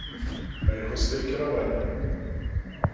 А яго стыль кіравання?